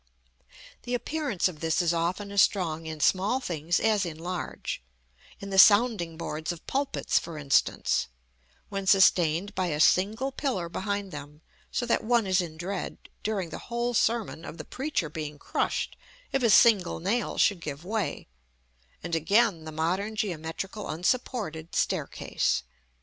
The appearance of this is often as strong in small things as in large; in the sounding boards of pulpits, for instance, when sustained by a single pillar behind them, so that one is in dread, during the whole sermon, of the preacher being crushed if a single nail should give way; and again, the modern geometrical unsupported staircase.